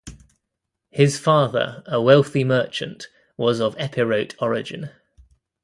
His father, a wealthy merchant, was of Epirote origin.